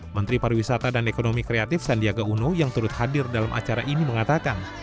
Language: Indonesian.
menteri pariwisata dan ekonomi kreatif sandiaga uno yang turut hadir dalam acara ini mengatakan